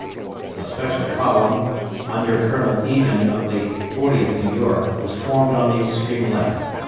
A special column, under Colonel Egan of the 40th New York, was formed on the extreme left.